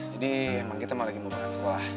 jadi emang kita mau lagi buka sekolah